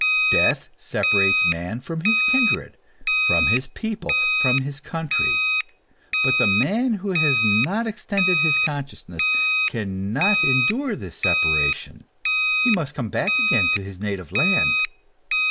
Death separates man from his kindred, from his people, from his country. But the man who has not extended his consciousness, cannot endure this separation; he must come back again to his native land.